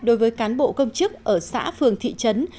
đối với cán bộ công chức ở xã phường thị trấn